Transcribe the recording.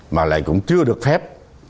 mà lại cũng chưa được phép